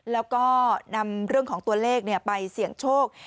แล้วก็นำเรื่องของตัวเลขไปเสี่ยงโชค